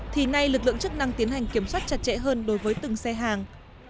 thì nay lực lượng chức năng tiến hành kiểm soát chặt chẽ hơn đối với từng xe hàng